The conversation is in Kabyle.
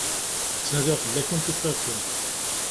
Ttnadiɣ fell-akent, ufiɣ-kent.